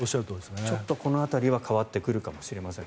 この辺りは変わってくるかもしれません。